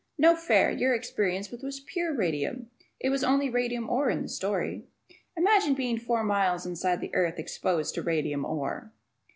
[No fair. Your experience was with pure radium. It was only radium ore in the story. Ed.] Imagine being four miles inside of the earth exposed to radium "ore"!